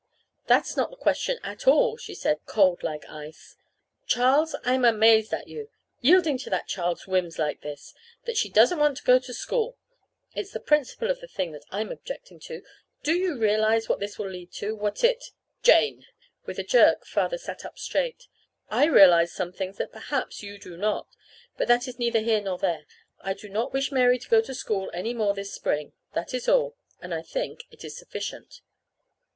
"That's not the question at all," she said, cold like ice. "Charles, I'm amazed at you yielding to that child's whims like this that she doesn't want to go to school! It's the principle of the thing that I'm objecting to. Do you realize what it will lead to what it " "Jane!" With a jerk Father sat up straight. "I realize some things that perhaps you do not. But that is neither here nor there. I do not wish Mary to go to school any more this spring. That is all; and I think it is sufficient."